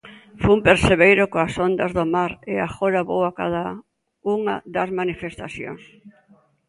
Fun percebeiro coas ondas do mar e agora vou a cada unha das manifestacións.